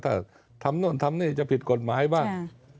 ถ้าทำโน่นทำนี่จะผิดกฎหมายบ้าง